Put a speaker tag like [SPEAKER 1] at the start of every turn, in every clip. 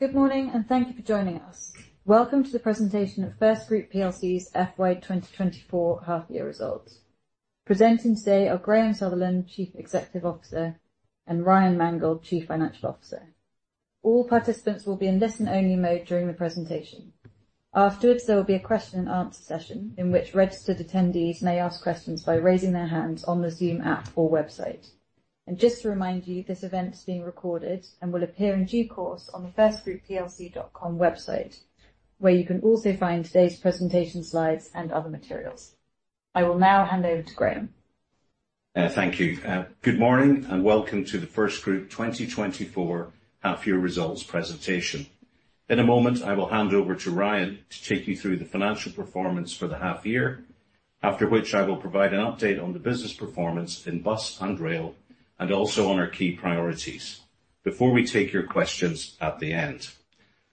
[SPEAKER 1] Good morning, and thank you for joining us. Welcome to the Presentation of FirstGroup Plc's FY 2024 Half-Year Results. Presenting today are Graham Sutherland, Chief Executive Officer, and Ryan Mangold, Chief Financial Officer. All participants will be in listen-only mode during the presentation. Afterwards, there will be a question and answer session, in which registered attendees may ask questions by raising their hands on the Zoom app or website. Just to remind you, this event is being recorded and will appear in due course on the firstgroupplc.com website, where you can also find today's presentation slides and other materials. I will now hand over to Graham.
[SPEAKER 2] Thank you. Good morning, and welcome to the FirstGroup 2024 Half-Year Results Presentation. In a moment, I will hand over to Ryan to take you through the financial performance for the half year, after which I will provide an update on the business performance in bus and rail, and also on our key priorities, before we take your questions at the end.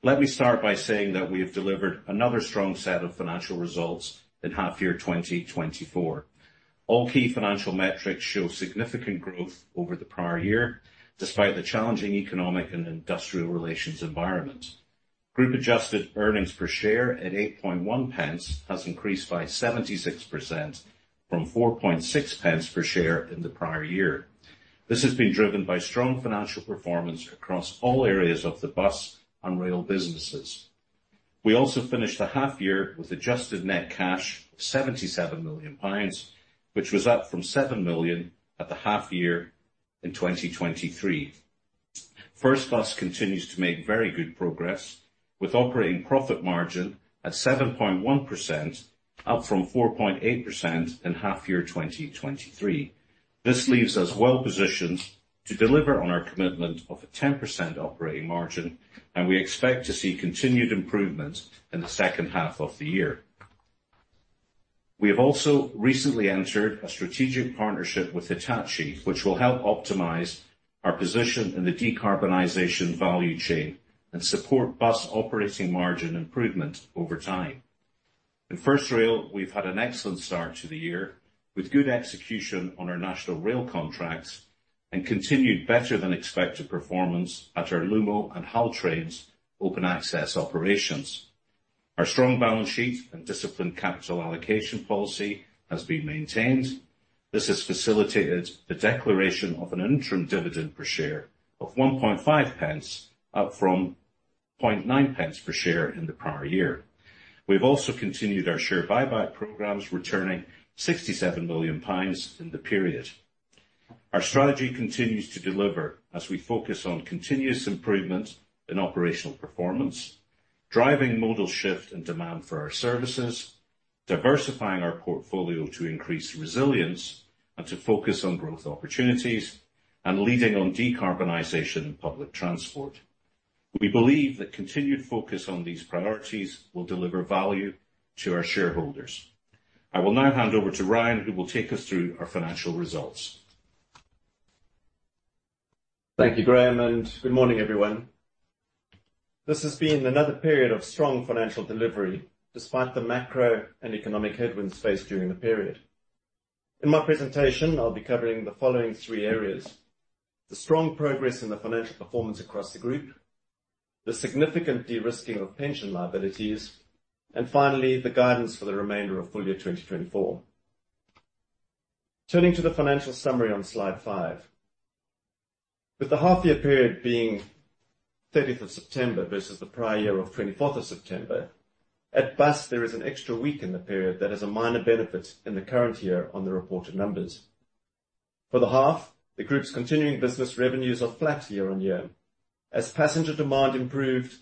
[SPEAKER 2] Let me start by saying that we have delivered another strong set of financial results in half-year 2024. All key financial metrics show significant growth over the prior year, despite the challenging economic and industrial relations environment. Group adjusted earnings per share at 8.1 pence has increased by 76%, from 4.6 pence per share in the prior year. This has been driven by strong financial performance across all areas of the bus and rail businesses. We also finished the half year with adjusted net cash, 77 million pounds, which was up from 7 million at the half year in 2023. First Bus continues to make very good progress, with operating profit margin at 7.1%, up from 4.8% in half year 2023. This leaves us well positioned to deliver on our commitment of a 10% operating margin, and we expect to see continued improvement in the second half of the year. We have also recently entered a strategic partnership with Hitachi, which will help optimize our position in the decarbonization value chain and support bus operating margin improvement over time. In First Rail, we've had an excellent start to the year, with good execution on our national rail contracts and continued better than expected performance at our Lumo and Hull Trains open access operations. Our strong balance sheet and disciplined capital allocation policy has been maintained. This has facilitated the declaration of an interim dividend per share of 0.015, up from 0.009 per share in the prior year. We've also continued our share buyback programs, returning 67 million in the period. Our strategy continues to deliver as we focus on continuous improvement in operational performance, driving modal shift and demand for our services, diversifying our portfolio to increase resilience, and to focus on growth opportunities, and leading on decarbonization in public transport. We believe that continued focus on these priorities will deliver value to our shareholders. I will now hand over to Ryan, who will take us through our financial results.
[SPEAKER 3] Thank you, Graham, and good morning, everyone. This has been another period of strong financial delivery, despite the macro and economic headwinds faced during the period. In my presentation, I'll be covering the following three areas: the strong progress in the financial performance across the group, the significant de-risking of pension liabilities, and finally, the guidance for the remainder of full year 2024. Turning to the financial summary on slide five. With the half year period being 30 September versus the prior year of 24 September, at Bus, there is an extra week in the period that has a minor benefit in the current year on the reported numbers. For the half, the group's continuing business revenues are flat year-on-year. As passenger demand improved,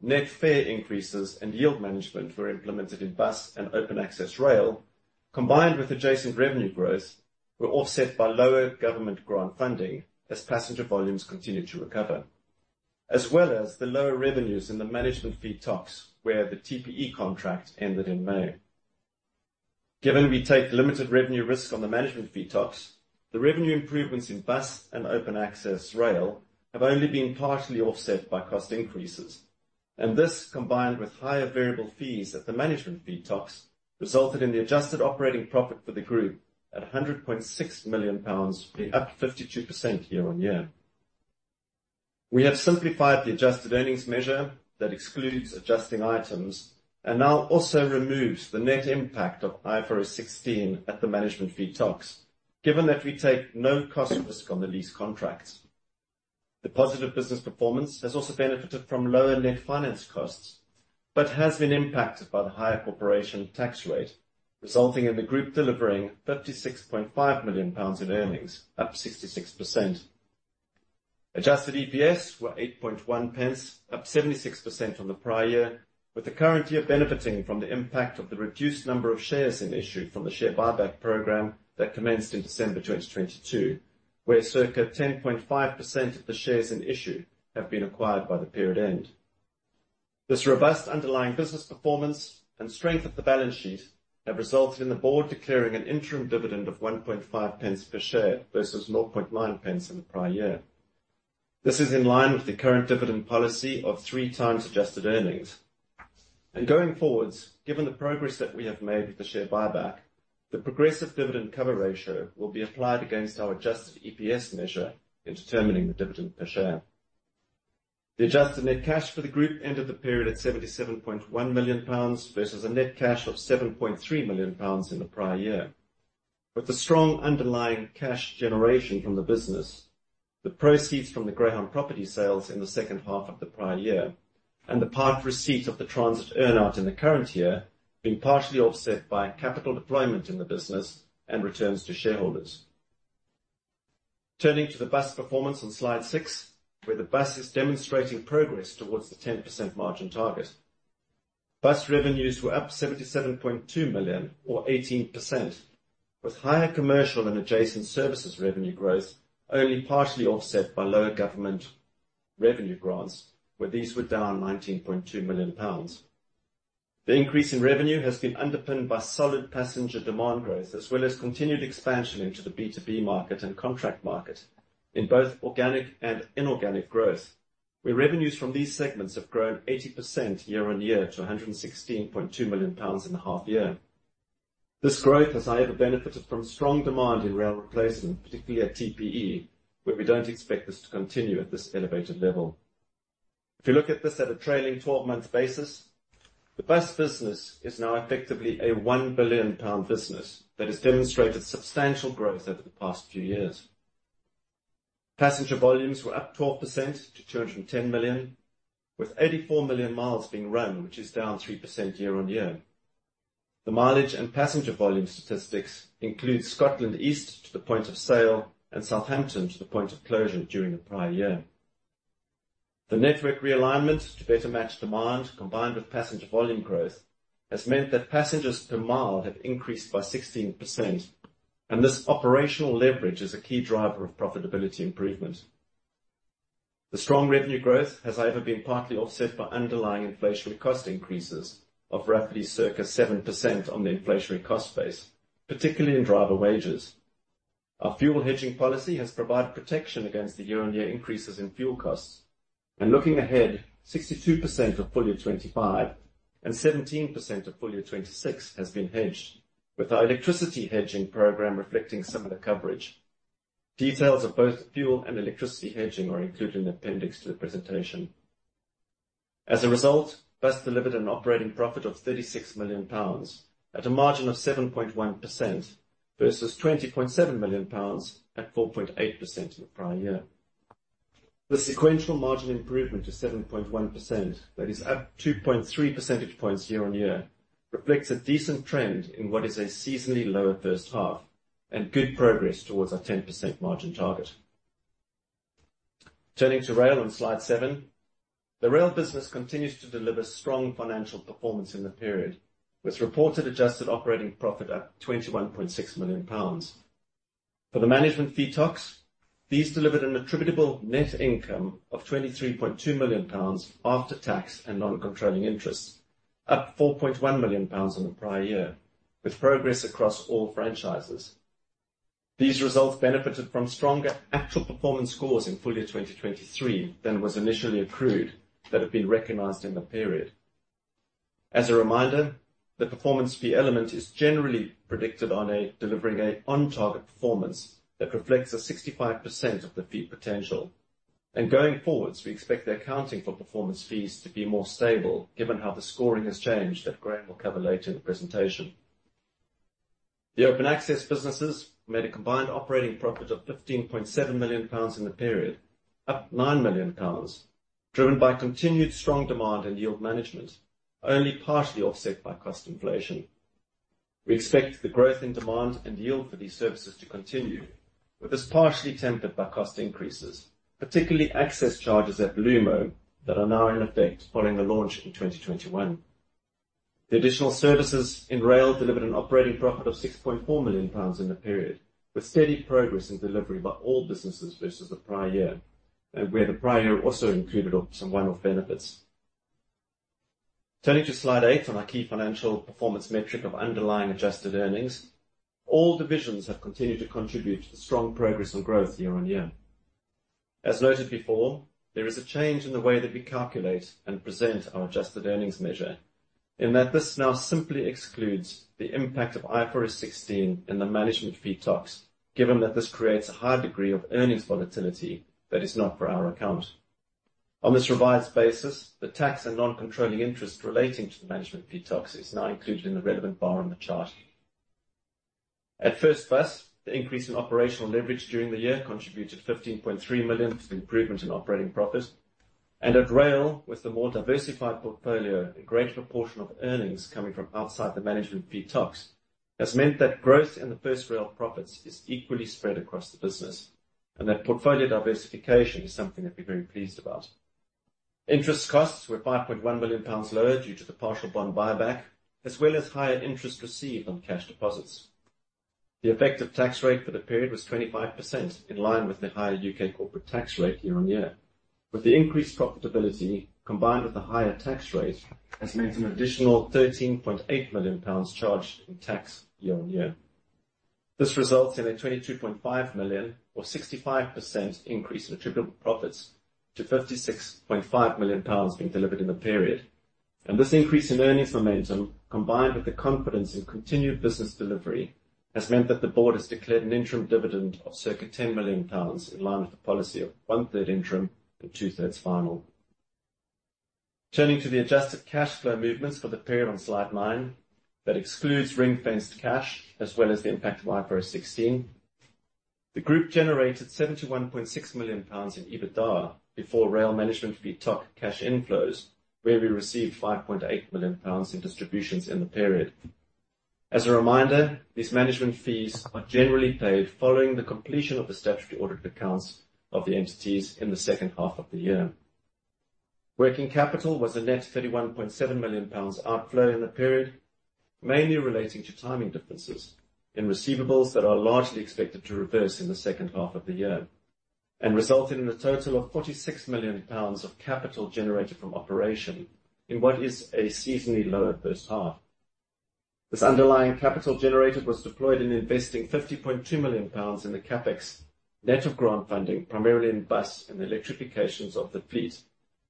[SPEAKER 3] net fare increases and yield management were implemented in bus and open access rail, combined with adjacent revenue growth, were offset by lower government grant funding as passenger volumes continued to recover, as well as the lower revenues in the management fee TOCs, where the TPE contract ended in May. Given we take limited revenue risks on the management fee TOCs, the revenue improvements in bus and open access rail have only been partially offset by cost increases, and this, combined with higher variable fees at the management fee TOCs, resulted in the adjusted operating profit for the group at 106 million pounds, up 52% year-on-year. We have simplified the adjusted earnings measure that excludes adjusting items and now also removes the net impact of IFRS 16 at the management fee TOCs, given that we take no cost risk on the lease contracts. The positive business performance has also benefited from lower net finance costs, but has been impacted by the higher corporation tax rate, resulting in the group delivering GBP 36.5 million in earnings, up 66%. Adjusted EPS were 8.1 pence, up 76% from the prior year, with the current year benefiting from the impact of the reduced number of shares in issue from the share buyback program that commenced in December 2022, where circa 10.5% of the shares in issue have been acquired by the period end. This robust underlying business performance and strength of the balance sheet have resulted in the board declaring an interim dividend of 0.015 per share versus 0.009 in the prior year. This is in line with the current dividend policy of three times adjusted earnings. Going forward, given the progress that we have made with the share buyback, the progressive dividend cover ratio will be applied against our adjusted EPS measure in determining the dividend per share. The adjusted net cash for the group ended the period at 77.1 million pounds, versus a net cash of 7.3 million pounds in the prior year. With the strong underlying cash generation from the business, the proceeds from the Greyhound property sales in the second half of the prior year, and the part receipt of the Transit earn-out in the current year, being partially offset by capital deployment in the business and returns to shareholders. Turning to the bus performance on slide six, where the bus is demonstrating progress towards the 10% margin target. Bus revenues were up 77.2 million, or 18%, with higher commercial and adjacent services revenue growth only partially offset by lower government revenue grants, where these were down 19.2 million pounds. The increase in revenue has been underpinned by solid passenger demand growth, as well as continued expansion into the B2B market and contract market in both organic and inorganic growth, where revenues from these segments have grown 80% year-on-year to 116.2 million pounds in the half year. This growth has either benefited from strong demand in rail replacement, particularly at TPE, where we don't expect this to continue at this elevated level. If you look at this at a trailing 12-month basis, the bus business is now effectively a 1 billion pound business that has demonstrated substantial growth over the past few years. Passenger volumes were up 12% to 210 million, with 84 million miles being run, which is down 3% year-on-year. The mileage and passenger volume statistics include Scotland East to the point of sale and Southampton to the point of closure during the prior year. The network realignment to better match demand, combined with passenger volume growth, has meant that passengers per mile have increased by 16%, and this operational leverage is a key driver of profitability improvement. The strong revenue growth has either been partly offset by underlying inflationary cost increases of roughly circa 7% on the inflationary cost base, particularly in driver wages. Our fuel hedging policy has provided protection against the year-on-year increases in fuel costs, and looking ahead, 62% of full year 2025 and 17% of full year 2026 has been hedged, with our electricity hedging program reflecting similar coverage. Details of both fuel and electricity hedging are included in appendix to the presentation. As a result, Bus delivered an operating profit of 36 million pounds at a margin of 7.1% versus 20.7 million pounds at 4.8% in the prior year. The sequential margin improvement to 7.1%, that is up 2.3 percentage points year-on-year, reflects a decent trend in what is a seasonally lower first half and good progress towards our 10% margin target. Turning to rail on slide seven. The rail business continues to deliver strong financial performance in the period, with reported adjusted operating profit up 21.6 million pounds. For the management fee TOCs, these delivered an attributable net income of 23.2 million pounds after tax and non-controlling interests, up 4.1 million pounds in the prior year, with progress across all franchises. These results benefited from stronger actual performance scores in full year 2023 than was initially approved that have been recognized in the period. As a reminder, the performance fee element is generally predicated on delivering an on-target performance that reflects 65% of the fee potential. Going forward, we expect the accounting for performance fees to be more stable, given how the scoring has changed that Graham will cover later in the presentation. The Open Access businesses made a combined operating profit of 15.7 million pounds in the period, up 9 million pounds, driven by continued strong demand in yield management, only partially offset by cost inflation. We expect the growth in demand and yield for these services to continue, with this partially tempered by cost increases, particularly access charges at Lumo that are now in effect following the launch in 2021. The additional services in rail delivered an operating profit of 6.4 million pounds in the period, with steady progress in delivery by all businesses versus the prior year, where the prior year also included on some one-off benefits. Turning to slide eight on our key financial performance metric of underlying adjusted earnings, all divisions have continued to contribute to the strong progress on growth year-over-year. As noted before, there is a change in the way that we calculate and present our adjusted earnings measure, in that this now simply excludes the impact of IFRS 16 in the management fee TOCs, given that this creates a high degree of earnings volatility that is not for our account. On this revised basis, the tax and non-controlling interest relating to the management fee TOCs is now included in the relevant bar on the chart. At First Bus, the increase in operational leverage during the year contributed 15.3 million to the improvement in operating profit. At Rail, with the more diversified portfolio, a greater proportion of earnings coming from outside the management fee TOCs has meant that growth in the First Rail profits is equally spread across the business, and that portfolio diversification is something that we're very pleased about. Interest costs were 5.1 million pounds lower due to the partial bond buyback, as well as higher interest received on cash deposits. The effective tax rate for the period was 25%, in line with the higher UK corporate tax rate year-on-year. With the increased profitability, combined with the higher tax rate, has meant an additional 13.8 million pounds charged in tax year-on-year. This results in a 22.5 million or 65% increase in attributable profits to 56.5 million pounds being delivered in the period. This increase in earnings momentum, combined with the confidence in continued business delivery, has meant that the board has declared an interim dividend of circa 10 million pounds, in line with the policy of 1/3 interim and 2/3 final. Turning to the adjusted cash flow movements for the period on slide nine, that excludes ring-fenced cash, as well as the impact of IFRS 16. The group generated 71.6 million pounds in EBITDA before rail management fee TOC cash inflows, where we received 5.8 million pounds in distributions in the period. As a reminder, these management fees are generally paid following the completion of the statutory audit accounts of the entities in the second half of the year. Working capital was a net 31.7 million pounds outflow in the period, mainly relating to timing differences in receivables that are largely expected to reverse in the second half of the year, and resulted in a total of 46 million pounds of capital generated from operation, in what is a seasonally lower first half. This underlying capital generated was deployed in investing 50.2 million pounds in the CapEx, net of grant funding, primarily in bus and electrifications of the fleet,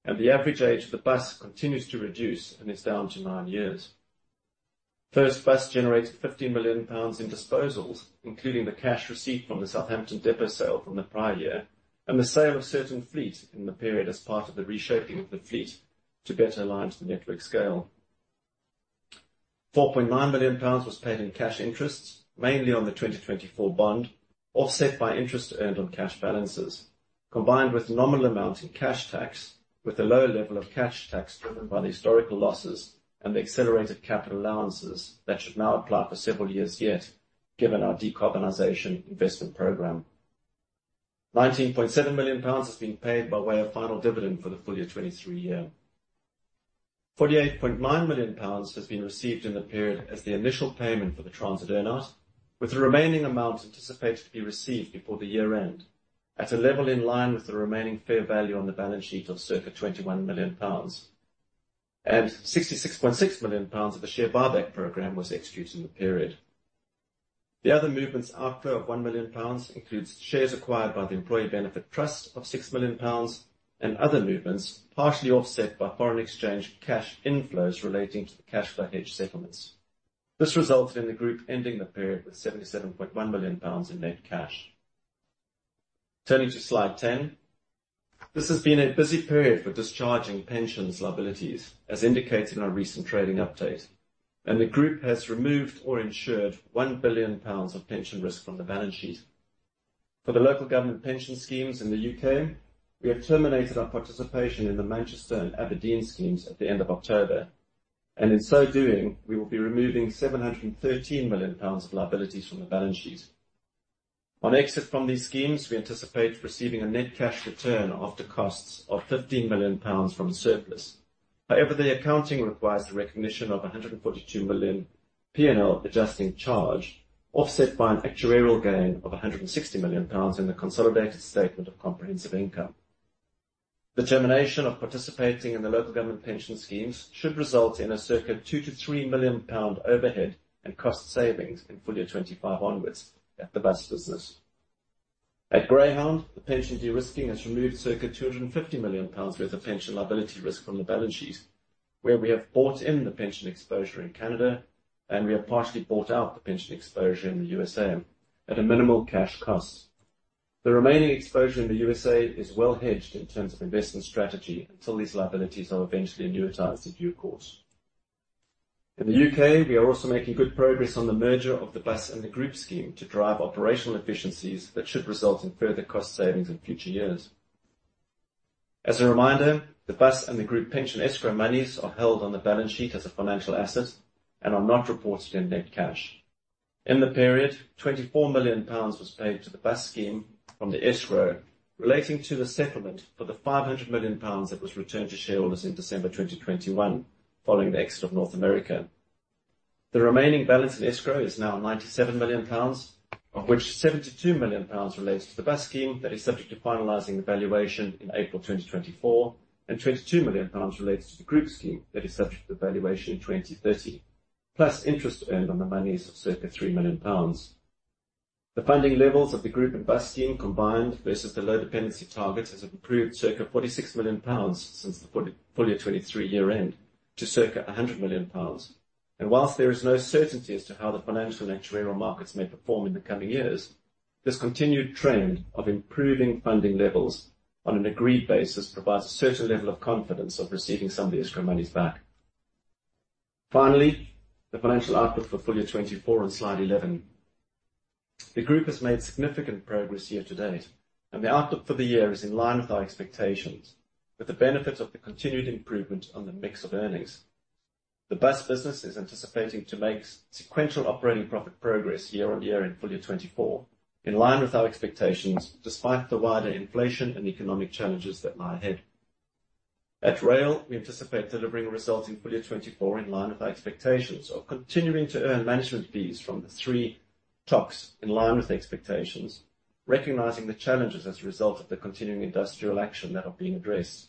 [SPEAKER 3] and the average age of the bus continues to reduce and is down to nine years. First Bus generated 50 million pounds in disposals, including the cash received from the Southampton depot sale from the prior year, and the sale of certain fleet in the period as part of the reshaping of the fleet to better align to the network scale. 4.9 million pounds was paid in cash interests, mainly on the 2024 bond, offset by interest earned on cash balances, combined with nominal amounts in cash tax, with a lower level of cash tax driven by the historical losses and the accelerated capital allowances that should now apply for several years yet, given our decarbonization investment program. 19.7 million pounds is being paid by way of final dividend for the full year 2023 year. 48.9 million pounds has been received in the period as the initial payment for the transit earnout, with the remaining amount anticipated to be received before the year end, at a level in line with the remaining fair value on the balance sheet of circa 21 million pounds. 66.6 million pounds of the share buyback program was executed in the period. The other movements outflow of 1 million pounds includes shares acquired by the Employee Benefit Trust of 6 million pounds, and other movements, partially offset by foreign exchange cash inflows relating to the cash flow hedge settlements. This resulted in the group ending the period with 77.1 million pounds in net cash. Turning to slide 10. This has been a busy period for discharging pensions liabilities, as indicated in our recent trading update, and the group has removed or insured 1 billion pounds of pension risk from the balance sheet. For the local government pension schemes in the UK, we have terminated our participation in the Manchester and Aberdeen schemes at the end of October, and in so doing, we will be removing 713 million pounds of liabilities from the balance sheet. On exit from these schemes, we anticipate receiving a net cash return after costs of 15 million pounds from surplus. However, the accounting requires the recognition of a 142 million P&L adjusting charge, offset by an actuarial gain of 160 million pounds in the consolidated statement of comprehensive income. The termination of participating in the local government pension schemes should result in a circa 2 to 3 million overhead and cost savings in full year 2025 onwards at the bus business. At Greyhound, the pension de-risking has removed circa 250 million pounds worth of pension liability risk from the balance sheet, where we have bought in the pension exposure in Canada, and we have partially bought out the pension exposure in the USA at a minimal cash cost. The remaining exposure in the USA is well hedged in terms of investment strategy, until these liabilities are eventually annuitized in due course. In the UK, we are also making good progress on the merger of the bus and the group scheme to drive operational efficiencies that should result in further cost savings in future years. As a reminder, the bus and the group pension escrow monies are held on the balance sheet as a financial asset and are not reported in net cash. In the period, 24 million pounds was paid to the bus scheme from the escrow, relating to the settlement for the 500 million pounds that was returned to shareholders in December 2021, following the exit of North America. The remaining balance in escrow is now 97 million pounds, of which 72 million pounds relates to the bus scheme that is subject to finalizing the valuation in April 2024, and 22 million pounds relates to the group scheme that is subject to the valuation in 2030, plus interest earned on the monies of circa 3 million pounds. The funding levels of the group and bus scheme combined versus the low dependency targets, has improved circa 46 million pounds since the full year 2023 year end to circa 100 million pounds. Whilst there is no certainty as to how the financial and actuarial markets may perform in the coming years, this continued trend of improving funding levels on an agreed basis provides a certain level of confidence of receiving some of the escrow monies back. Finally, the financial output for full year 2024 on slide 11. The group has made significant progress year to date, and the outlook for the year is in line with our expectations, with the benefit of the continued improvement on the mix of earnings. The bus business is anticipating to make sequential operating profit progress year on year in full year 2024, in line with our expectations, despite the wider inflation and economic challenges that lie ahead. At Rail, we anticipate delivering results in full year 2024 in line with our expectations of continuing to earn management fees from the three TOCs, in line with the expectations, recognizing the challenges as a result of the continuing industrial action that are being addressed.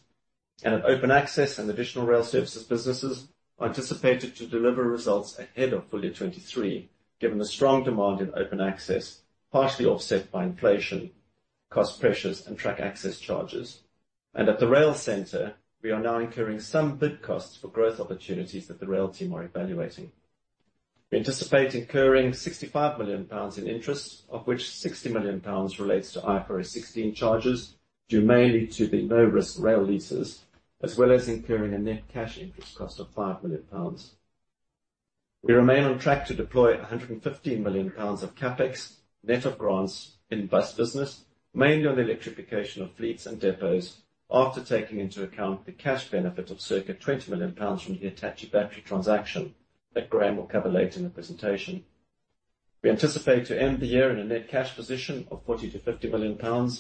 [SPEAKER 3] The Open Access and additional rail services businesses are anticipated to deliver results ahead of full year 2023, given the strong demand in Open Access, partially offset by inflation, cost pressures, and track access charges. And at the rail center, we are now incurring some bid costs for growth opportunities that the rail team are evaluating. We anticipate incurring 65 million pounds in interest, of which 60 million pounds relates to IFRS 16 charges, due mainly to the no-risk rail leases, as well as incurring a net cash interest cost of 5 million pounds. We remain on track to deploy 115 million pounds of CapEx, net of grants in bus business, mainly on the electrification of fleets and depots, after taking into account the cash benefit of circa 20 million pounds from the Hitachi battery transaction that Graham will cover later in the presentation. We anticipate to end the year in a net cash position of 40 to 50 million,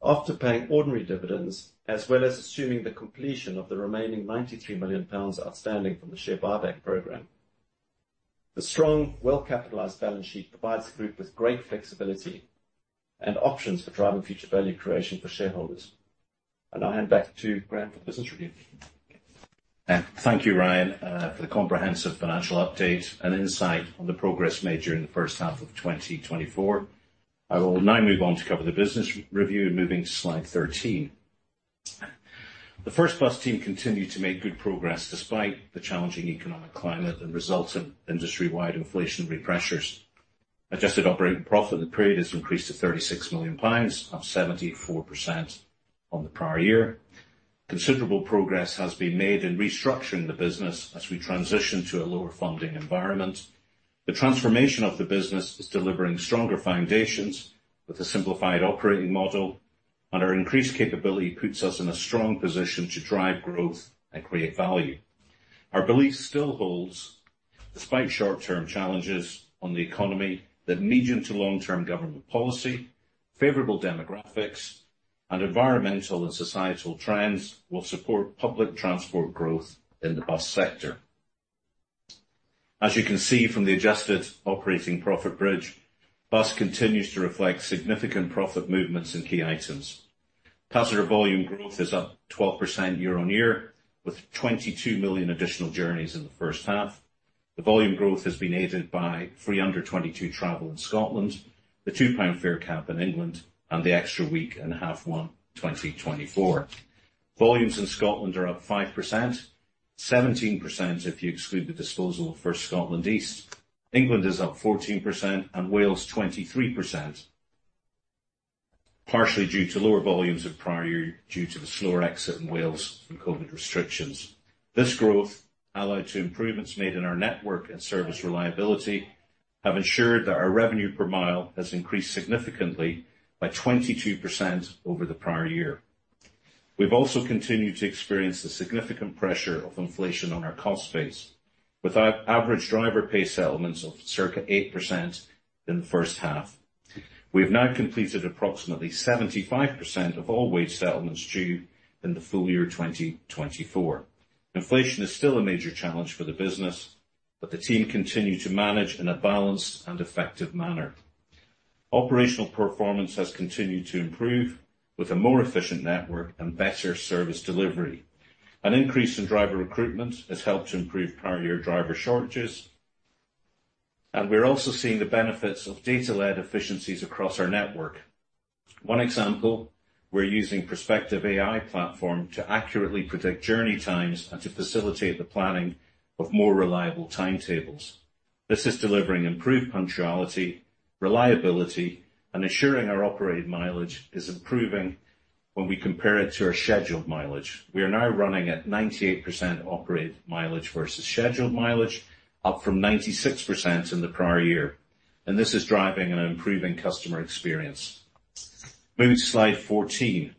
[SPEAKER 3] after paying ordinary dividends, as well as assuming the completion of the remaining 93 million pounds outstanding from the share buyback program. The strong, well-capitalized balance sheet provides the group with great flexibility and options for driving future value creation for shareholders. I now hand back to Graham for business review.
[SPEAKER 2] Thank you, Ryan, for the comprehensive financial update and insight on the progress made during the first half of 2024. I will now move on to cover the business review, moving to slide 13. The First Bus team continued to make good progress, despite the challenging economic climate and resultant industry-wide inflationary pressures. Adjusted operating profit in the period has increased to 36 million pounds, up 74% on the prior year. Considerable progress has been made in restructuring the business as we transition to a lower funding environment. The transformation of the business is delivering stronger foundations with a simplified operating model, and our increased capability puts us in a strong position to drive growth and create value. Our belief still holds, despite short-term challenges on the economy, that medium to long-term government policy, favorable demographics, and environmental and societal trends will support public transport growth in the bus sector. As you can see from the adjusted operating profit bridge, Bus continues to reflect significant profit movements in key items. Passenger volume growth is up 12% year-on-year, with 22 million additional journeys in the first half. The volume growth has been aided by free under 22 travel in Scotland, the £2 fare cap in England, and the extra week in half one, 2024. Volumes in Scotland are up 5%, 17% if you exclude the disposal of First Scotland East. England is up 14% and Wales, 23%, partially due to lower volumes of prior year, due to the slower exit in Wales from COVID restrictions. This growth, allied to improvements made in our network and service reliability, have ensured that our revenue per mile has increased significantly by 22% over the prior year. We've also continued to experience the significant pressure of inflation on our cost base, with average driver pay settlements of circa 8% in the first half. We have now completed approximately 75% of all wage settlements due in the FY 2024. Inflation is still a major challenge for the business, but the team continue to manage in a balanced and effective manner. Operational performance has continued to improve, with a more efficient network and better service delivery. An increase in driver recruitment has helped to improve prior driver shortages, and we're also seeing the benefits of data-led efficiencies across our network. One example, we're using Prospective AI platform to accurately predict journey times and to facilitate the planning of more reliable timetables. This is delivering improved punctuality, reliability, and ensuring our operated mileage is improving when we compare it to our scheduled mileage. We are now running at 98% operated mileage versus scheduled mileage, up from 96% in the prior year, and this is driving an improving customer experience. Moving to slide 14.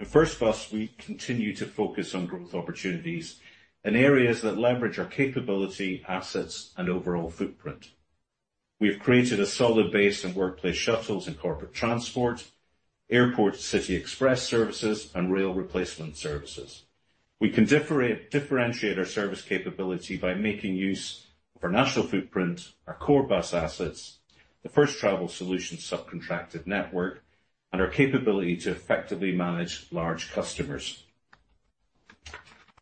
[SPEAKER 2] In First Bus, we continue to focus on growth opportunities in areas that leverage our capability, assets, and overall footprint. We have created a solid base in workplace shuttles and corporate transport, airport city express services, and rail replacement services. We can differentiate our service capability by making use of our national footprint, our core bus assets, the First Travel Solutions subcontracted network, and our capability to effectively manage large customers.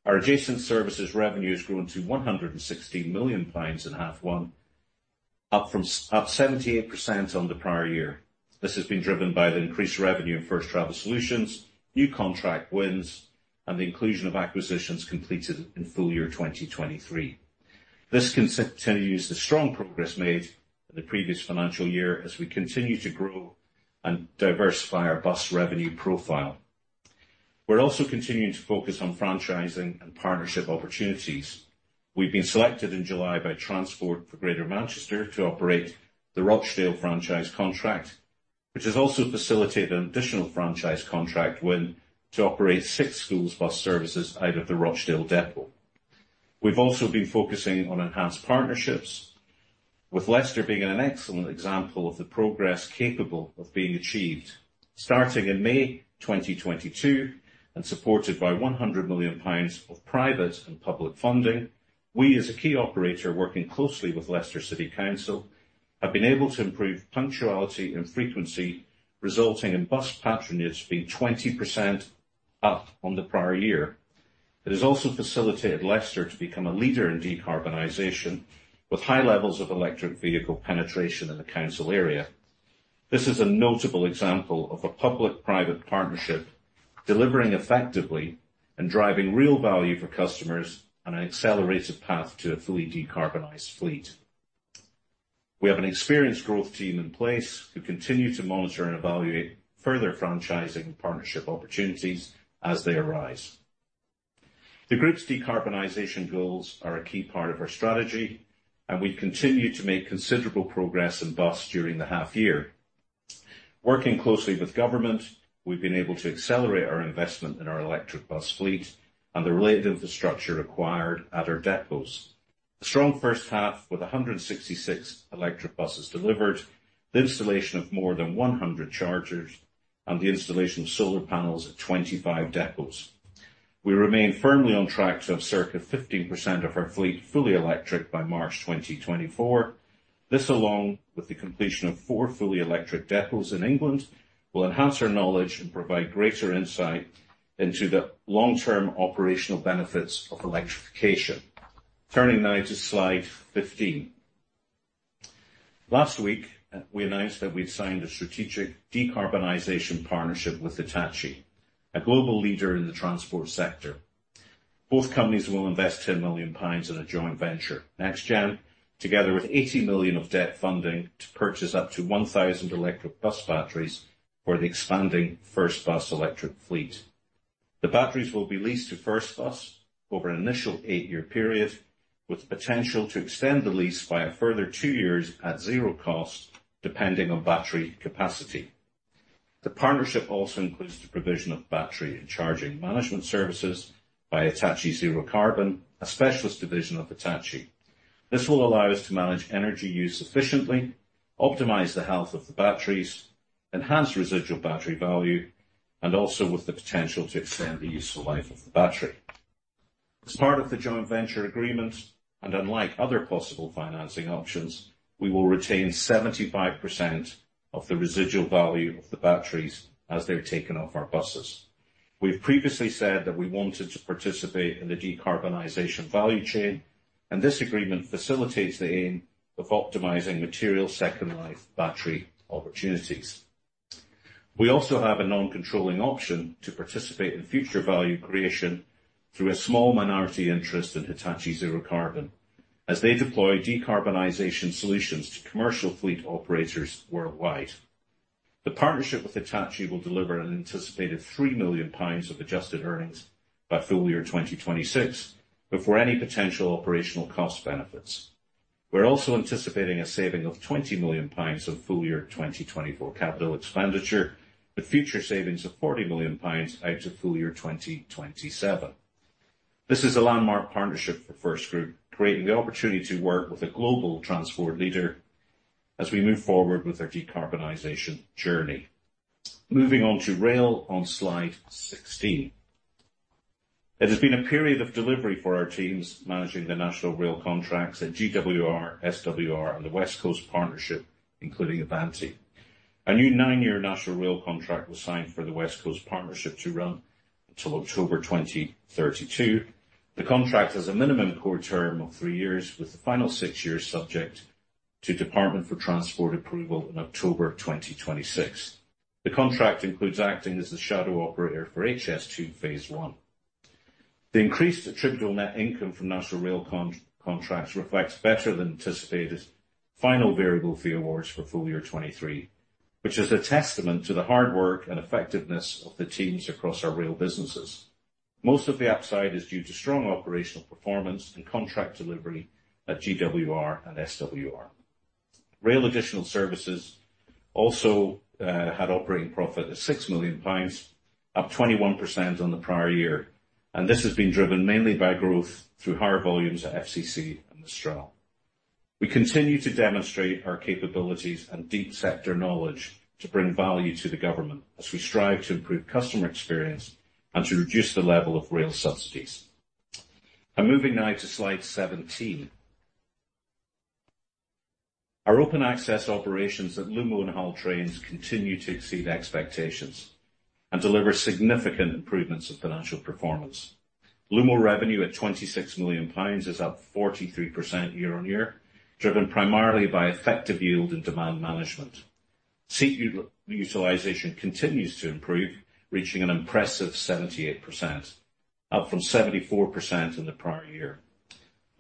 [SPEAKER 2] Our adjacent services revenue has grown to 116 million pounds in H1, up 78% on the prior year. This has been driven by the increased revenue in First Travel Solutions, new contract wins, and the inclusion of acquisitions completed in full year 2023. This continues the strong progress made in the previous financial year as we continue to grow and diversify our bus revenue profile. We're also continuing to focus on franchising and partnership opportunities. We've been selected in July by Transport for Greater Manchester to operate the Rochdale franchise contract, which has also facilitated an additional franchise contract win to operate six schools bus services out of the Rochdale depot. We've also been focusing on enhanced partnerships, with Leicester being an excellent example of the progress capable of being achieved. Starting in May 2022, and supported by 100 million pounds of private and public funding, we, as a key operator, working closely with Leicester City Council, have been able to improve punctuality and frequency, resulting in bus patronage being 20% up on the prior year. It has also facilitated Leicester to become a leader in decarbonization, with high levels of electric vehicle penetration in the council area. This is a notable example of a public-private partnership delivering effectively and driving real value for customers on an accelerated path to a fully decarbonized fleet. We have an experienced growth team in place who continue to monitor and evaluate further franchising partnership opportunities as they arise. The group's decarbonization goals are a key part of our strategy, and we continue to make considerable progress in bus during the half year. Working closely with government, we've been able to accelerate our investment in our electric bus fleet and the related infrastructure acquired at our depots. A strong first half, with 166 electric buses delivered, the installation of more than 100 chargers, and the installation of solar panels at 25 depots. We remain firmly on track to have circa 15% of our fleet fully electric by March 2024. This, along with the completion of four fully electric depots in England, will enhance our knowledge and provide greater insight into the long-term operational benefits of electrification. Turning now to Slide 15. Last week, we announced that we'd signed a strategic decarbonization partnership with Hitachi, a global leader in the transport sector. Both companies will invest 10 million pounds in a joint venture, NextGen, together with 80 million of debt funding, to purchase up to 1,000 electric bus batteries for the expanding First Bus electric fleet. The batteries will be leased to First Bus over an initial eight-year period, with potential to extend the lease by a further two years at zero cost, depending on battery capacity. The partnership also includes the provision of battery and charging management services by Hitachi ZeroCarbon, a specialist division of Hitachi. This will allow us to manage energy use efficiently, optimize the health of the batteries, enhance residual battery value, and also with the potential to extend the useful life of the battery. As part of the joint venture agreement, and unlike other possible financing options, we will retain 75% of the residual value of the batteries as they're taken off our buses. We've previously said that we wanted to participate in the decarbonization value chain, and this agreement facilitates the aim of optimizing material second life battery opportunities. We also have a non-controlling option to participate in future value creation through a small minority interest in Hitachi ZeroCarbon, as they deploy decarbonization solutions to commercial fleet operators worldwide. The partnership with Hitachi will deliver an anticipated 3 million pounds of adjusted earnings by full year 2026, before any potential operational cost benefits. We're also anticipating a saving of 20 million pounds of full year 2024 capital expenditure, with future savings of 40 million pounds out to full year 2027. This is a landmark partnership for FirstGroup, creating the opportunity to work with a global transport leader as we move forward with our decarbonization journey. Moving on to rail, on Slide 16. It has been a period of delivery for our teams managing the National Rail contracts at GWR, SWR, and the West Coast Partnership, including Avanti. A new nine-year national rail contract was signed for the West Coast Partnership to run until October 2032. The contract has a minimum core term of three years, with the final six years subject to Department for Transport approval in October 2026. The contract includes acting as the shadow operator for HS2 phase I. The increased attributable net income from National Rail contracts reflects better-than-anticipated final variable fee awards for full year 2023, which is a testament to the hard work and effectiveness of the teams across our rail businesses. Most of the upside is due to strong operational performance and contract delivery at GWR and SWR. Rail additional services also had operating profit at 6 million pounds, up 21% on the prior year, and this has been driven mainly by growth through higher volumes at FCC and Mistral. We continue to demonstrate our capabilities and deep sector knowledge to bring value to the government, as we strive to improve customer experience and to reduce the level of rail subsidies. I'm moving now to Slide 17. Our open access operations at Lumo and Hull Trains continue to exceed expectations and deliver significant improvements of financial performance. Lumo revenue at 26 million pounds is up 43% year-on-year, driven primarily by effective yield and demand management. Seat utilization continues to improve, reaching an impressive 78%, up from 74% in the prior year.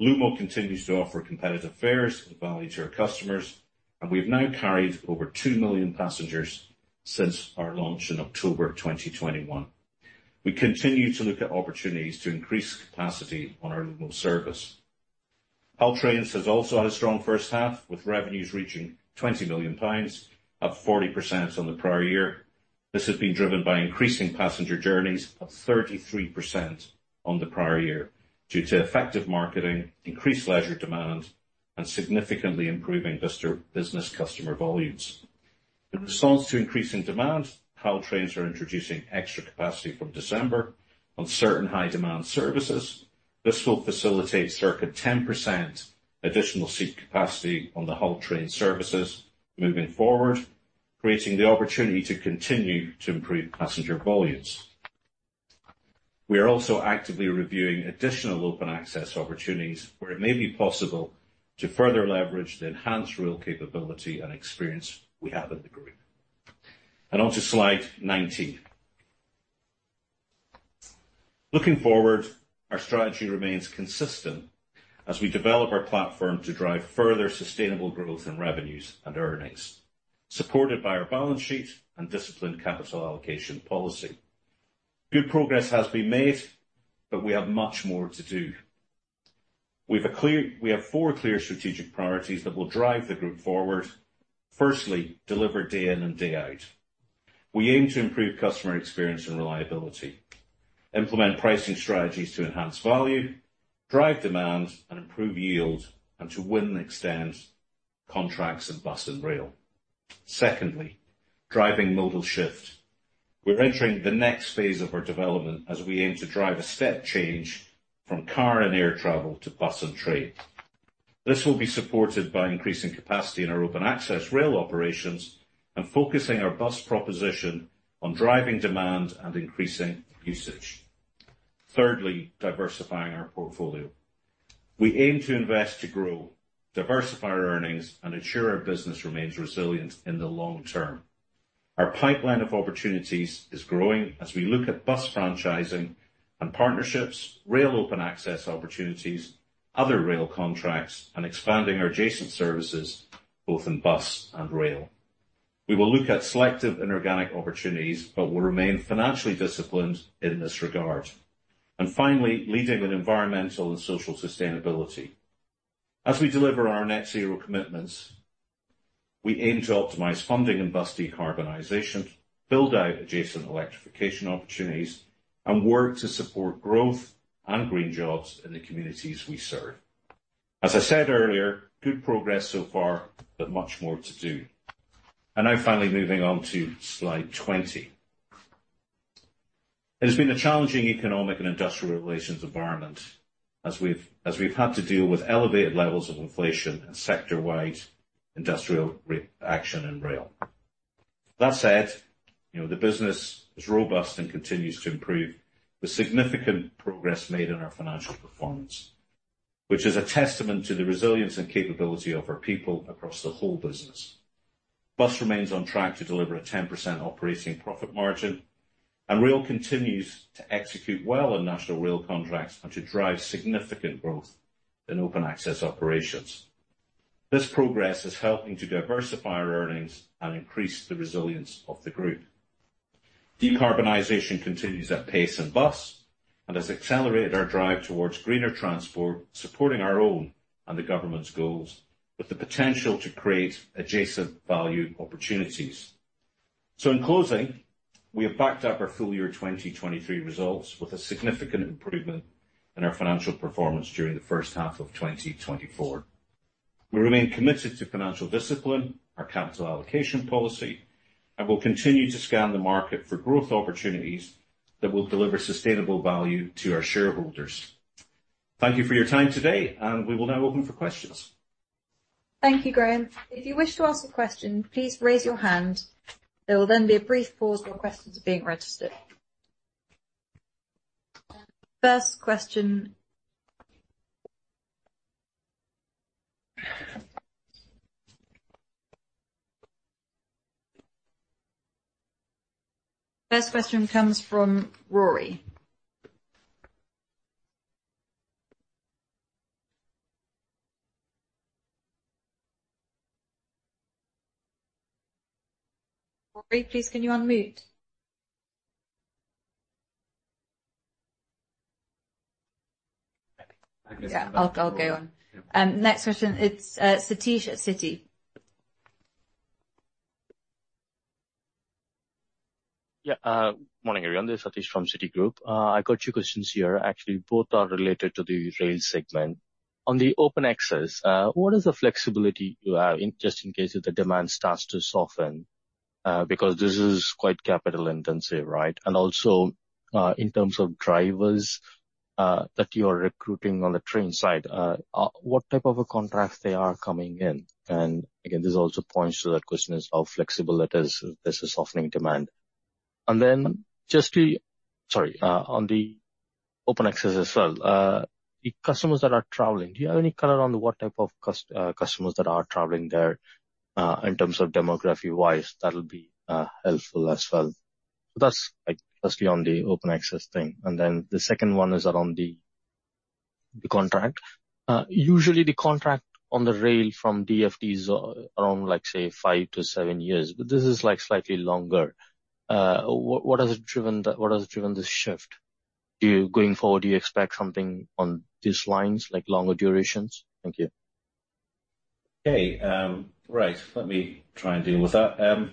[SPEAKER 2] Lumo continues to offer competitive fares and value to our customers, and we've now carried over 2 million passengers since our launch in October 2021. We continue to look at opportunities to increase capacity on our Lumo service. Hull Trains has also had a strong first half, with revenues reaching 20 million pounds, up 40% on the prior year. This has been driven by increasing passenger journeys of 33% on the prior year, due to effective marketing, increased leisure demand, and significantly improving mix of business customer volumes. In response to increasing demand, Hull Trains are introducing extra capacity from December on certain high-demand services. This will facilitate circa 10% additional seat capacity on the Hull Trains services moving forward, creating the opportunity to continue to improve passenger volumes. We are also actively reviewing additional open access opportunities, where it may be possible to further leverage the enhanced rail capability and experience we have in the group. And on to slide 19. Looking forward, our strategy remains consistent as we develop our platform to drive further sustainable growth in revenues and earnings, supported by our balance sheet and disciplined capital allocation policy. Good progress has been made, but we have much more to do. We have four clear strategic priorities that will drive the group forward. Firstly, deliver day in and day out. We aim to improve customer experience and reliability, implement pricing strategies to enhance value, drive demand, and improve yield, and to win and extend contracts in bus and rail. Secondly, driving modal shift. We're entering the next phase of our development as we aim to drive a step change from car and air travel to bus and train. This will be supported by increasing capacity in our open access rail operations and focusing our bus proposition on driving demand and increasing usage. Thirdly, diversifying our portfolio. We aim to invest to grow, diversify our earnings, and ensure our business remains resilient in the long term. Our pipeline of opportunities is growing as we look at bus franchising and partnerships, rail open access opportunities, other rail contracts, and expanding our adjacent services both in bus and rail. We will look at selective and organic opportunities, but will remain financially disciplined in this regard. And finally, leading with environmental and social sustainability. As we deliver our net zero commitments, we aim to optimize funding and bus decarbonization, build out adjacent electrification opportunities, and work to support growth and green jobs in the communities we serve. As I said earlier, good progress so far, but much more to do. Now finally, moving on to slide 20. It has been a challenging economic and industrial relations environment as we've had to deal with elevated levels of inflation and sector-wide industrial reaction in rail. That said, you know, the business is robust and continues to improve the significant progress made in our financial performance, which is a testament to the resilience and capability of our people across the whole business. Bus remains on track to deliver a 10% operating profit margin, and Rail continues to execute well in national rail contracts and to drive significant growth in open access operations. This progress is helping to diversify our earnings and increase the resilience of the group. Decarbonization continues at pace and bus, and has accelerated our drive towards greener transport, supporting our own and the government's goals, with the potential to create adjacent value opportunities. In closing, we have backed up our full year 2023 results with a significant improvement in our financial performance during the first half of 2024. We remain committed to financial discipline, our capital allocation policy, and will continue to scan the market for growth opportunities that will deliver sustainable value to our shareholders. Thank you for your time today, and we will now open for questions.
[SPEAKER 1] Thank you, Graham. If you wish to ask a question, please raise your hand. There will then be a brief pause while questions are being registered. First question. First question comes from Ruairi. Ruairi, please can you unmute? Okay. Yeah, I'll go on. Next question, it's Satish at Citi.
[SPEAKER 4] Morning, everyone. This is Satish from Citigroup. I got two questions here. Actually, both are related to the rail segment. On the open access, what is the flexibility you have in, just in case if the demand starts to soften? Because this is quite capital intensive, right? In terms of drivers, that you are recruiting on the train side, what type of a contract they are coming in? This also points to that question is, how flexible it is if there's a softening demand. On the open access as well, the customers that are traveling, do you have any color on what type of customers that are traveling there, in terms of demography-wise? That'll be helpful as well. That's like, that's been on the open access thing. The second one is around the contract. Usually the contract on the rail from DfT are around, like, say, five to seven years, but this is, like, slightly longer. What has driven the- what has driven this shift? Going forward, do you expect something on these lines, like longer durations? Thank you.
[SPEAKER 2] Okay, right. Let me try and deal with that. I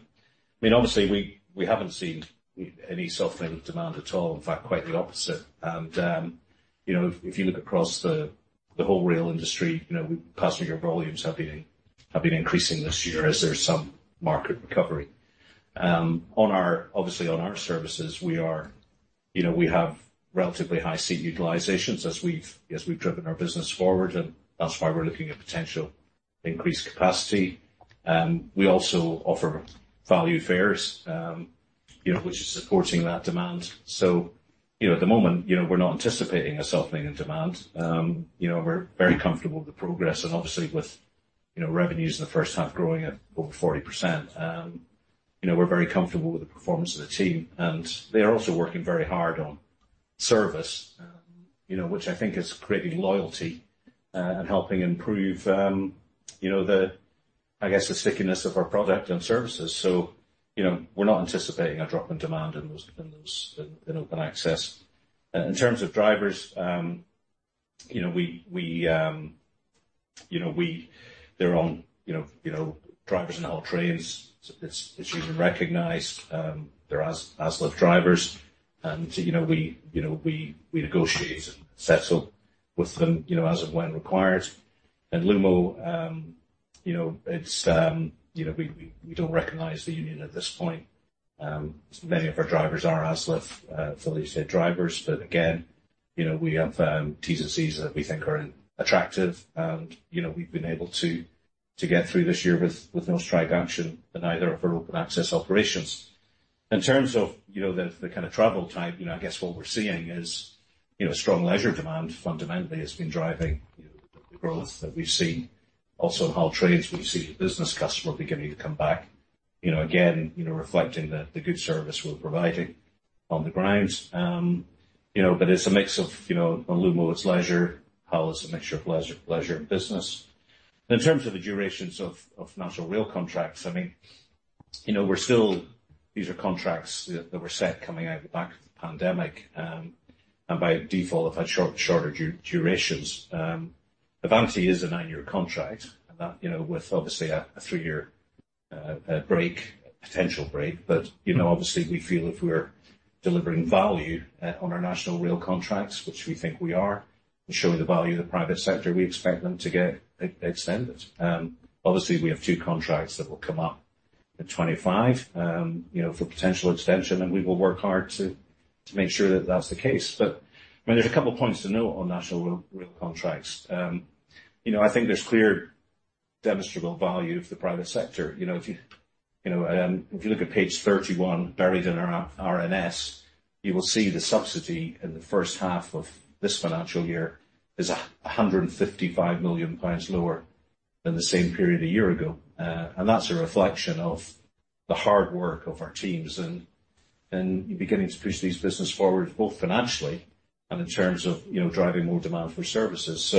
[SPEAKER 2] mean, obviously, we haven't seen any softening demand at all. In fact, quite the opposite. You know, if you look across the whole rail industry, you know, passenger volumes have been increasing this year as there's some market recovery. Obviously, on our services, we are, you know, we have relatively high seat utilizations as we've driven our business forward, and that's why we're looking at potential increased capacity. We also offer value fares, you know, which is supporting that demand. You know, at the moment, you know, we're not anticipating a softening in demand. You know, we're very comfortable with the progress and obviously with, you know, revenues in the first half growing at over 40%. You know, we're very comfortable with the performance of the team, and they are also working very hard on service, you know, which I think is creating loyalty, and helping improve, you know, the, I guess, the stickiness of our product and services. You know, we're not anticipating a drop in demand in those in Open Access. In terms of drivers, you know, we, we, you know, they're on, you know, drivers in Hull Trains. It's even recognized, they're ASLEF drivers, and, you know, we, you know, we negotiate and settle with them, you know, as and when required. And Lumo, you know, it's, you know, we, we don't recognize the union at this point. Many of our drivers are ASLEF fully state drivers, but again, you know, we have T&Cs that we think are attractive. You know, we've been able to get through this year with no strike action in either of our Open Access operations. In terms of the kind of travel type, you know, I guess what we're seeing is strong leisure demand fundamentally has been driving the growth that we've seen. In all trains, we've seen the business customer beginning to come back, you know, again, reflecting the good service we're providing on the ground. You know, but it's a mix of, you know, on Lumo, it's leisure. Hull is a mixture of leisure and business. In terms of the durations of national rail contracts, I mean, you know, we're still... These are contracts that were set coming out of the back of the pandemic, and by default, have had shorter durations. Avanti is a nine-year contract, and that, you know, with obviously a three-year potential break, but, you know, obviously we feel if we're delivering value on our national rail contracts, which we think we are, and showing the value of the private sector, we expect them to get extended. Obviously, we have two contracts that will come up in 2025, you know, for potential extension, and we will work hard to make sure that that's the case. But, I mean, there's a couple points to note on national rail contracts. You know, I think there's clear, demonstrable value of the private sector. You know, if you, you know, if you look at page 31, buried in our RNS, you will see the subsidy in the first half of this financial year is 155 million pounds lower than the same period a year ago. And that's a reflection of the hard work of our teams and, and beginning to push these business forward, both financially and in terms of, you know, driving more demand for services.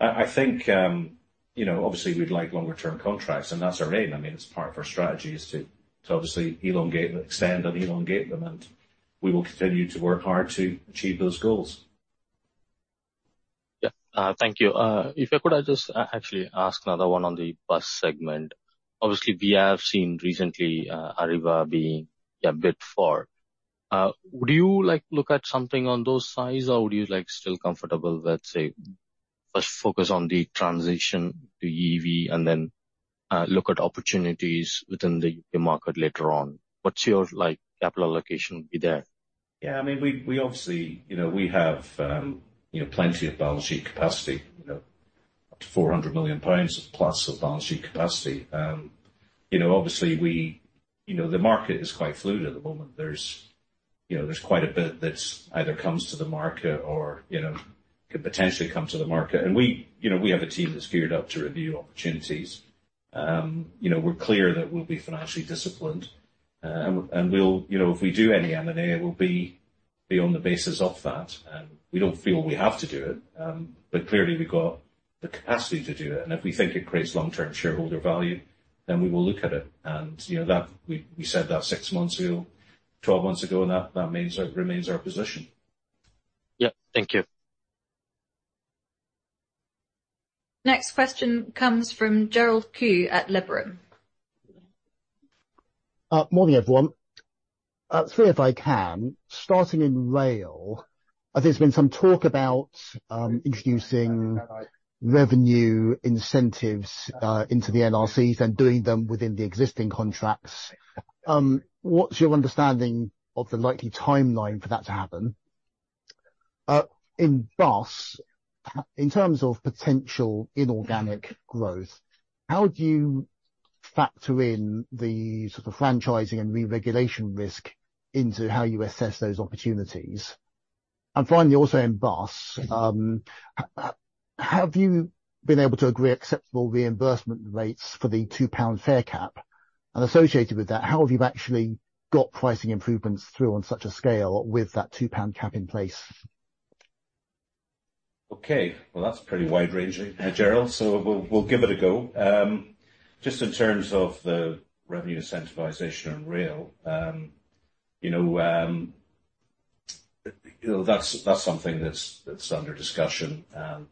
[SPEAKER 2] I think, you know, obviously we'd like longer term contracts, and that's our aim. I mean, it's part of our strategy is to, to obviously elongate and extend and elongate them, and we will continue to work hard to achieve those goals.
[SPEAKER 4] Thank you. If I could, I just, actually ask another one on the bus segment. Obviously, we have seen recently, Arriva being bid for. Would you like look at something on those size, or would you, like, still comfortable with, let's say, let's focus on the transition to EV and then, look at opportunities within the U.K. market later on? What's your, like, capital allocation be there?
[SPEAKER 2] We, we obviously, you know, we have, you know, plenty of balance sheet capacity. You know, up to 400 million pounds of plus of balance sheet capacity. You know, obviously we, you know, the market is quite fluid at the moment. There's, you know, there's quite a bit that's either comes to the market or, you know, could potentially come to the market, and we, you know, we have a team that's geared up to review opportunities. You know, we're clear that we'll be financially disciplined, and, and we'll, you know, if we do any M&A, it will be beyond the basis of that. And we don't feel we have to do it, but clearly, we've got the capacity to do it, and if we think it creates long-term shareholder value, then we will look at it. You know, that we said that six months ago, 12 months ago, and that remains our position.
[SPEAKER 4] Thank you.
[SPEAKER 1] Next question comes from Gerald Khoo at Liberum.
[SPEAKER 5] Morning, everyone. Three, if I can, starting in rail, there's been some talk about introducing revenue incentives into the NRCs and doing them within the existing contracts. What's your understanding of the likely timeline for that to happen? In bus, in terms of potential inorganic growth, how do you factor in the sort of franchising and re-regulation risk into how you assess those opportunities? Finally, also in bus, have you been able to agree acceptable reimbursement rates for the £2 fare cap? Associated with that, how have you actually got pricing improvements through on such a scale with that £2 cap in place?
[SPEAKER 2] Okay, well, that's pretty wide-ranging, Gerald, so we'll give it a go. Just in terms of the revenue incentivization on rail, you know, that's something that's under discussion. And,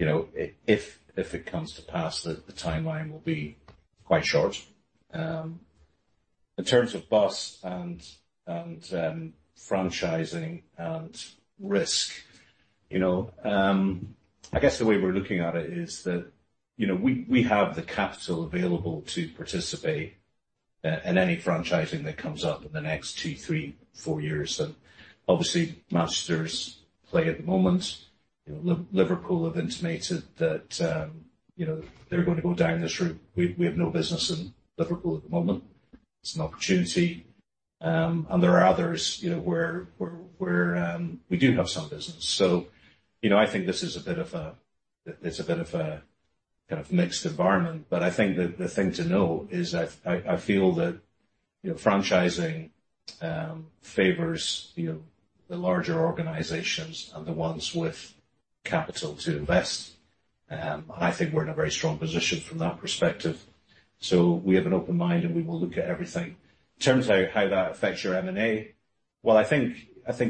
[SPEAKER 2] you know, if it comes to pass, the timeline will be quite short. In terms of bus and franchising and risk, you know, I guess the way we're looking at it is that, you know, we have the capital available to participate in any franchising that comes up in the next two, three, four years. And obviously, Manchester's play at the moment. You know, Liverpool have intimated that, you know, they're going to go down this route. We have no business in Liverpool at the moment. It's an opportunity, and there are others, you know, where we do have some business. You know, I think this is a bit of a, it's a bit of a kind of mixed environment. I think the thing to know is I feel that, you know, franchising favors, you know, the larger organizations and the ones with capital to invest. I think we're in a very strong position from that perspective. We have an open mind, and we will look at everything. In terms of how that affects your M&A, well, I think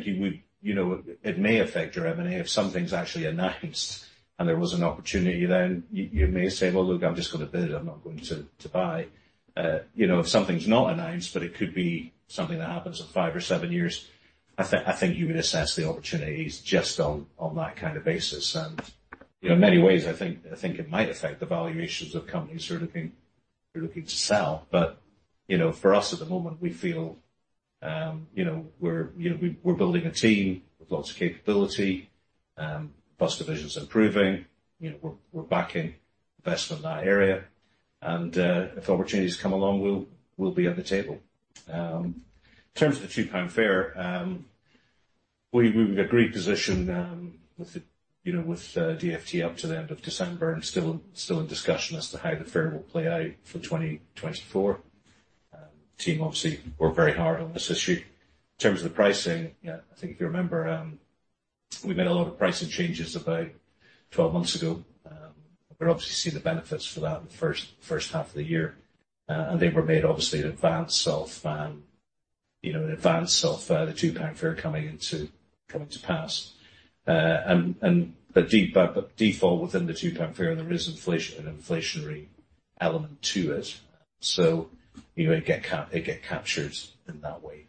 [SPEAKER 2] you would. You know, it may affect your M&A if something's actually announced and there was an opportunity, then you may say, "Well, look, I've just got to bid. I'm not going to, to buy. You know, if something's not announced, but it could be something that happens in five or seven years, I think, I think you would assess the opportunities just on, on that kind of basis. You know, in many ways, I think, I think it might affect the valuations of companies who are looking, who are looking to sell. You know, for us at the moment, we feel, you know, we're. You know, we, we're building a team with lots of capability. Bus division's improving. You know, we're, we're backing investment in that area, and, if opportunities come along, we'll, we'll be at the table. In terms of the £2 fare, we've agreed position, you know, with DfT up to the end of December, and still in discussion as to how the fare will play out for 2024. The team obviously worked very hard on this issue. In terms of the pricing, I think if you remember, we made a lot of pricing changes about 12 months ago. But obviously see the benefits for that in the first half of the year. They were made obviously in advance of, you know, in advance of the £2 fare coming to pass. By default within the £2 fare, there is inflation, an inflationary element to it. You know, it gets capped, it gets captured in that way.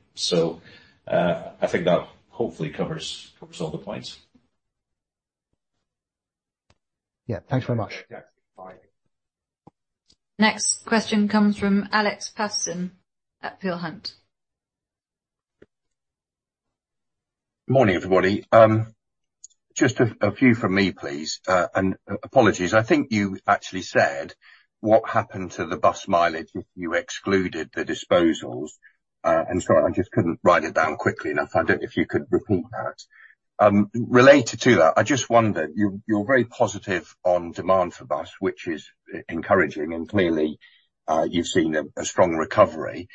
[SPEAKER 2] I think that hopefully covers all the points.
[SPEAKER 5] Yeah. Thanks very much.
[SPEAKER 2] Bye.
[SPEAKER 1] Next question comes from Alex Paterson at Peel Hunt.
[SPEAKER 6] Morning, everybody. Just a few from me, please, and apologies. I think you actually said what happened to the bus mileage if you excluded the disposals. Sorry, I just couldn't write it down quickly enough. I don't know if you could repeat that. Related to that, I just wondered, you're very positive on demand for bus, which is encouraging, and clearly, you've seen a strong recovery.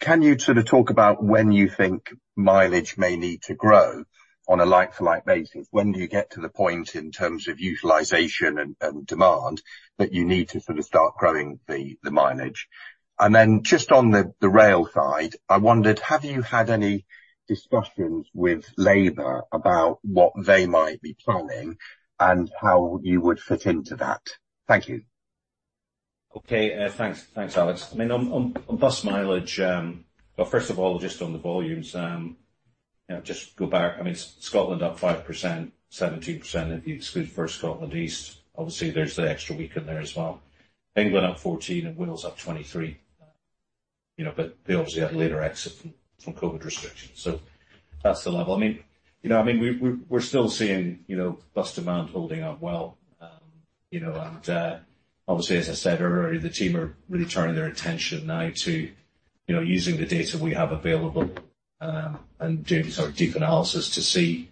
[SPEAKER 6] Can you sort of talk about when you think mileage may need to grow on a like-for-like basis? When do you get to the point in terms of utilization and demand that you need to sort of start growing the mileage? And then just on the rail side, I wondered, have you had any discussions with Labour about what they might be planning and how you would fit into that? Thank you.
[SPEAKER 2] Okay. Thanks, Alex. I mean, on bus mileage. Well, first of all, just on the volumes, you know, just go back. I mean, Scotland up 5%, 17% if you exclude First Scotland East. Obviously, there's the extra week in there as well. England up 14, and Wales up 23. You know, but they obviously had a later exit from COVID restrictions, so that's the level. You know, we're still seeing, you know, bus demand holding up well. You know, and obviously, as I said earlier, the team are really turning their attention now to, you know, using the data we have available, and doing sort of deep analysis to see,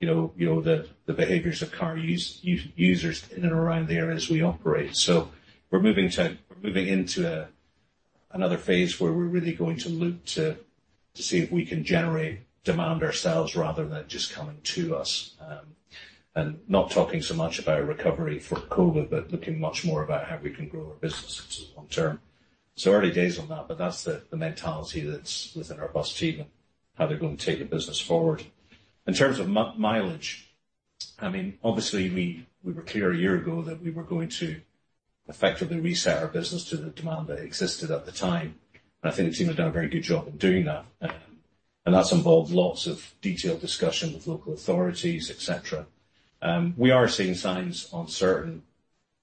[SPEAKER 2] you know, the behaviors of car users in and around the area as we operate. We're moving into another phase where we're really going to look to see if we can generate demand ourselves rather than just coming to us. Not talking so much about a recovery from COVID, but looking much more about how we can grow our business as a long term. Early days on that, but that's the mentality that's within our bus team and how they're going to take the business forward. In terms of mileage, I mean, obviously, we were clear a year ago that we were going to effectively reset our business to the demand that existed at the time. I think the team have done a very good job in doing that. That's involved lots of detailed discussion with local authorities, et cetera. We are seeing signs on certain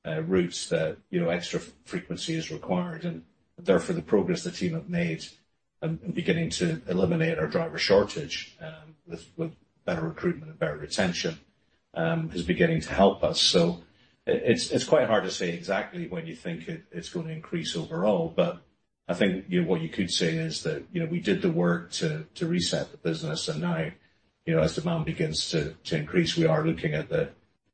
[SPEAKER 2] routes that, you know, extra frequency is required, and therefore, the progress the team have made and beginning to eliminate our driver shortage, with better recruitment and better retention, is beginning to help us. It's quite hard to say exactly when you think it, it's going to increase overall, but I think, you know, what you could say is that, you know, we did the work to reset the business, and now, you know, as demand begins to increase, we are looking at the,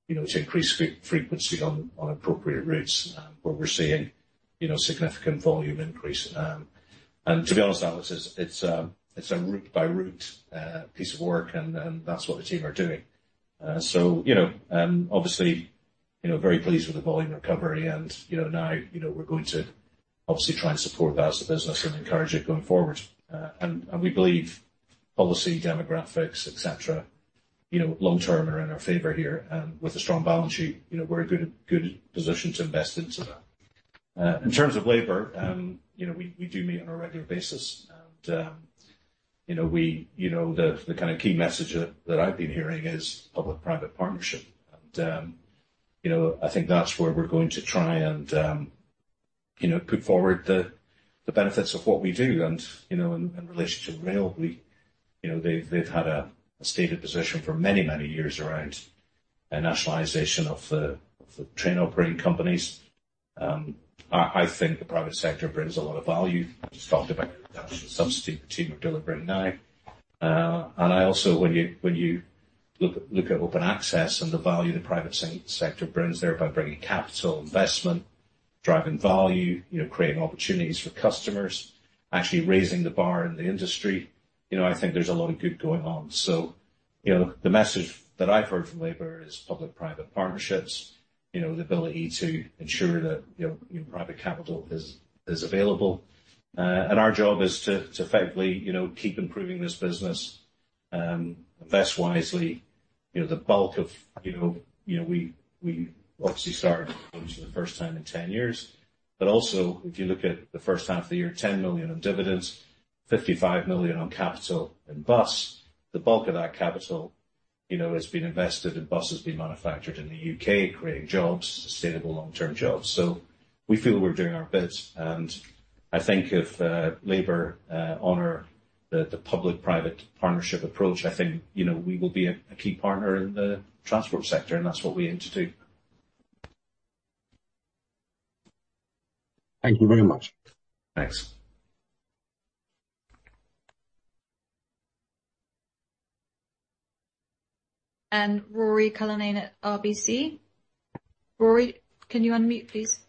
[SPEAKER 2] you know, to increase frequency on appropriate routes, where we're seeing, you know, significant volume increase. To be honest, Alex, it's a route-by-route piece of work, and that's what the team are doing. You know, obviously, you know, very pleased with the volume recovery and, you know, now, you know, we're going to obviously try and support that as a business and encourage it going forward. We believe policy, demographics, et cetera, you know, long term are in our favor here. With a strong balance sheet, you know, we're in a good, good position to invest into that. In terms of labour, you know, we do meet on a regular basis, and, you know, we, you know, the kind of key message that I've been hearing is public-private partnership. You know, I think that's where we're going to try and, you know, put forward the benefits of what we do. You know, in relationship with rail, we, you know, they've had a stated position for many years around a nationalization of the train operating companies. I think the private sector brings a lot of value. I just talked about the subsidy that we're delivering now. I also, when you look at open access and the value the private sector brings there by bringing capital investment, driving value, you know, creating opportunities for customers, actually raising the bar in the industry, you know, I think there's a lot of good going on. You know, the message that I've heard from Labour is public-private partnerships. You know, the ability to ensure that, you know, private capital is available. And our job is to effectively, you know, keep improving this business, invest wisely. You know, the bulk of, you know, you know, we, we obviously started for the first time in 10 years, but also, if you look at the first half of the year, 10 million in dividends, 55 million on capital and bus. The bulk of that capital, you know, has been invested in buses being manufactured in the UK, creating jobs, sustainable long-term jobs. We feel we're doing our bit, and I think if Labour honor the public-private partnership approach, I think, you know, we will be a key partner in the transport sector, and that's what we aim to do.
[SPEAKER 6] Thank you very much.
[SPEAKER 2] Thanks.
[SPEAKER 1] Ruairi Cullinane at RBC. Ruairi, can you unmute, please?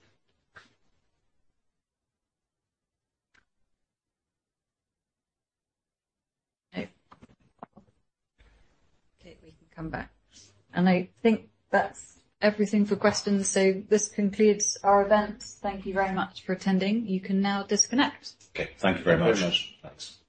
[SPEAKER 1] No. Okay, we can come back. I think that's everything for questions. This concludes our event. Thank you very much for attending. You can now disconnect.
[SPEAKER 2] Okay. Thank you very much.
[SPEAKER 3] Thank you very much. Thanks.